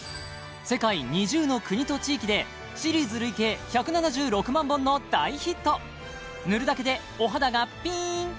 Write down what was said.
世界２０の国と地域でシリーズ累計１７６万本の大ヒット塗るだけでお肌がピーン！